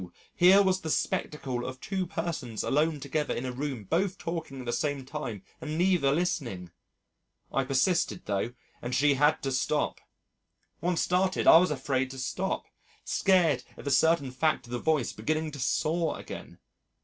here was the spectacle of two persons alone together in a room both talking at the same time and neither listening. I persisted though and she had to stop. Once started, I was afraid to stop scared at the certain fact of the voice beginning to saw again.